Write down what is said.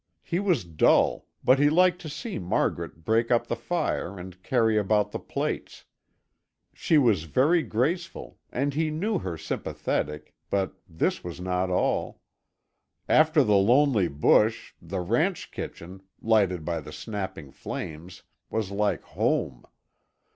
He was dull, but he liked to see Margaret break up the fire and carry about the plates. She was very graceful and he knew her sympathetic, but this was not all. After the lonely bush, the ranch kitchen, lighted by the snapping flames, was like home.